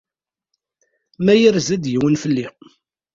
Ma yerza-d yiwen fell-i.